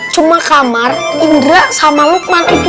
cuma kamar indra sama lukman itu